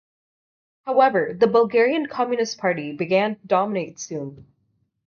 However, the Bulgarian Communist Party began to dominate soon.